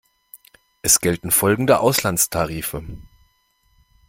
Es gelten folgende Auslandstarife.